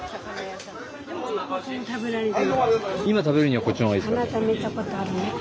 今食べるにはこっちの方がいいですかね？